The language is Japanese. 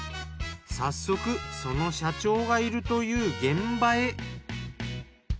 早速その社長がいるという現場へ。